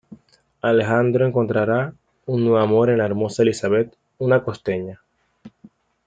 Alejandro encontrará un nuevo amor en la hermosa Elizabeth, una costeña.